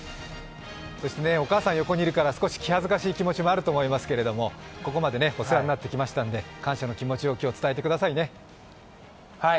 お母さん横にいるから少し気恥ずかしい気持ちもあるかもしれませんけどここまでお世話になってきましたんで感謝の気持ちを今日、伝えてくださいね。